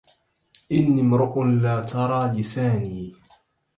إني امرؤ لا ترى لساني